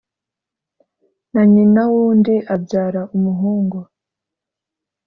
Na nyina w’undi abyara umuhungu.